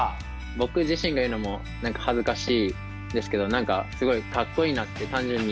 僕自身が言うのも何か恥ずかしいですけど何かすごいかっこいいなって単純に。